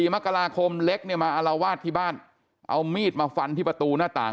มกราคมเล็กเนี่ยมาอารวาสที่บ้านเอามีดมาฟันที่ประตูหน้าต่าง